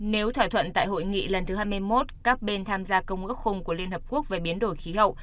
nếu thỏa thuận tại hội nghị lần thứ hai mươi một các bên tham gia công ước khung của liên hợp quốc về biến đổi khí hậu